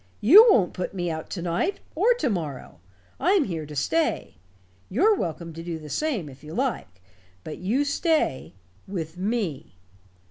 You won't put me out to night, or to morrow. I'm here to stay. You're welcome to do the same, if you like. But you stay with me.